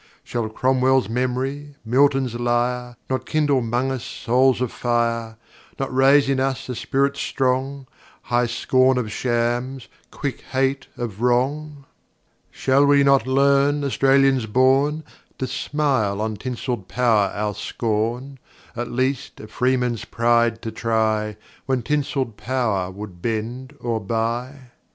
Shall Cromwell's memory, Milton's lyre, Not kindle 'mong us souls of fire, Not raise in us a spirit strong—High scorn of shams, quick hate of wrong? Shall we not learn, Australians born! To smile on tinselled power our scorn,—At least, a freeman's pride to try, When tinselled power would bend or buy?